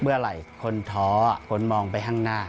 เมื่อไหร่คนท้อคนมองไปข้างหน้า